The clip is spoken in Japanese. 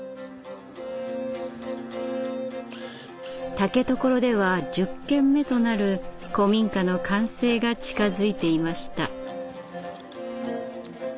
竹所では１０軒目となる古民家の完成が近づいていました。